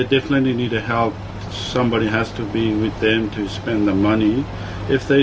dan mereka pasti perlu bantu seseorang harus bersama mereka untuk membeli uang